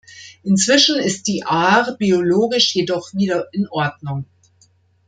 Inzwischen ist die Aar biologisch jedoch wieder in Ordnung.